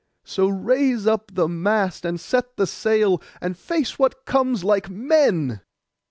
So raise up the mast, and set the sail, and face what comes like men.